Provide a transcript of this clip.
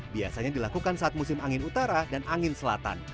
biasanya dilakukan saat musim angin utara dan angin selatan